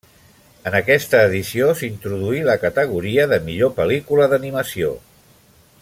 En aquesta edició s'introduí la categoria de millor pel·lícula d'animació.